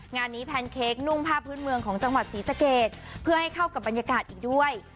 งานนี้แพนเคคนุ่งผ้าพื้นเมืองของจังหวัดศรีสะเกดเพื่อให้เข้ากับบรรยากาศอีกด้วย